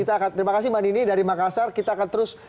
terima kasih mbak nini dari makassar kita akan terus